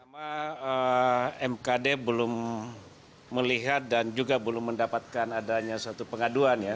pertama mkd belum melihat dan juga belum mendapatkan adanya satu pengaduan ya